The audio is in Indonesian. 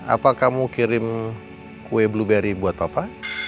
apa kamu kirim kue blueberry buat apa